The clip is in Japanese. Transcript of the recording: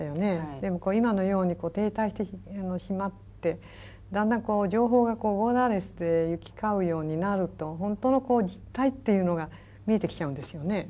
でも今のように停滞してしまってだんだん情報がボーダーレスで行き交うようになると本当の実態っていうのが見えてきちゃうんですよね。